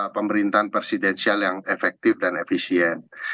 pemerintahan presidensial yang efektif dan efisien